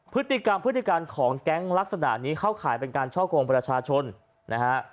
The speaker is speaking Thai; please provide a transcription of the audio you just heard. พฤติกรรมพฤติการของแก๊งลักษณะนี้เข้าข่ายเป็นการช่อกงประชาชนนะฮะ